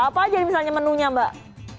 apa aja misalnya menunya mbak